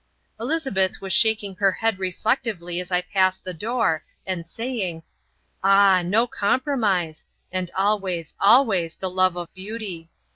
Elizabeth was shaking her head reflectively as I passed the door, and saying: "Ah no compromise. And always, ALWAYS the love of beauty."